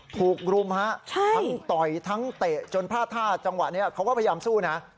ถูกรุมฮะทั้งต่อยทั้งเตะจนพลาดท่าจังหวะนี้เขาก็พยายามสู้นะ